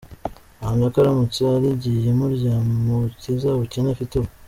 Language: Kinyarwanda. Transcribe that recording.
Ahamya ko aramutse arigiyemo ryamukiza ubukene afite ubu.